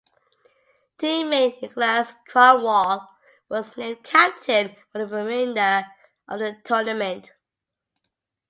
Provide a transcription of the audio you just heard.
Teammate Niklas Kronwall was named captain for the remainder of the tournament.